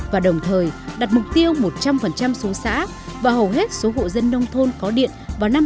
và đồng thời đặt mục tiêu một trăm linh số xã và hầu hết số hộ dân nông thôn có điện vào năm hai nghìn hai mươi